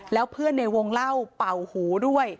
แล้วเพื่อนในวงเล่าเป่าหูด้วย